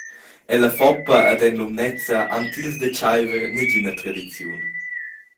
Ella Foppa ed en Lumnezia han tils da tscheiver negina tradiziun.